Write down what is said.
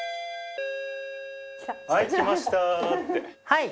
はい。